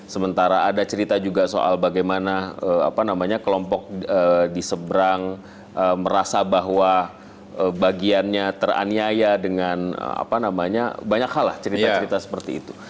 sementara ada cerita juga soal bagaimana kelompok diseberang merasa bahwa bagiannya teraniaya dengan banyak hal lah cerita cerita seperti itu